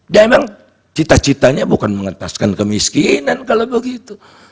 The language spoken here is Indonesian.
dan memang cita citanya bukan mengetaskan kemiskinan kalau begitu